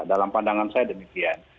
dalam pandangan saya demikian